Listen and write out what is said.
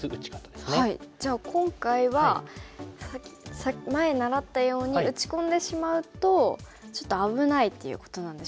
じゃあ今回は前習ったように打ち込んでしまうとちょっと危ないっていうことなんでしょうか。